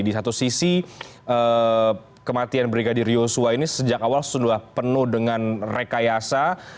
di satu sisi kematian brigadir yosua ini sejak awal sudah penuh dengan rekayasa